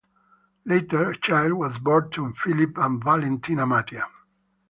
Later a child was born to Philip and Valentina, Mattia.